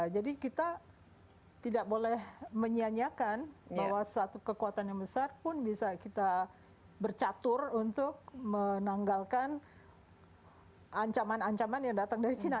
jadi kita tidak boleh menyianyikan bahwa satu kekuatan yang besar pun bisa kita bercatur untuk menanggalkan ancaman ancaman yang datang dari china